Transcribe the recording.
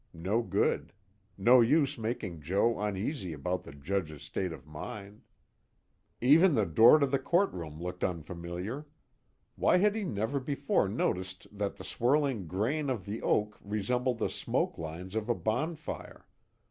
No good. No use making Joe uneasy about the Judge's state of mind. Even the door to the courtroom looked unfamiliar. Why had he never before noticed that the swirling grain of the oak resembled the smoke lines of a bonfire?